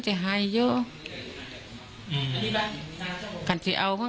ไม่รู้จริงว่าเกิดอะไรขึ้น